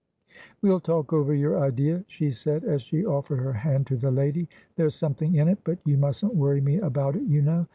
"We'll talk over your idea," she said, as she offered her hand to the lady. "There's something in it, but you mustn't worry me about it, you know.